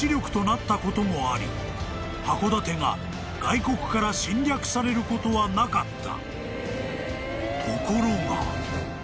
［函館が外国から侵略されることはなかった］